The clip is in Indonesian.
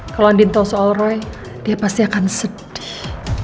kalau andin tau soal roy dia pasti akan sedih